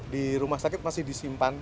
di rumah sakit masih disimpan